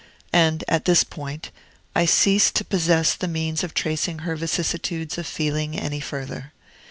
And at this point, I cease to possess the means of tracing her vicissitudes of feeling any further.